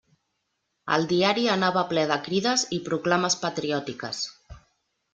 El diari anava ple de crides i proclames patriòtiques.